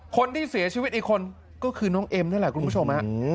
คนที่เสียชีวิตอีกคนก็คือน้องเอ็มนั่นแหละคุณผู้ชมฮะ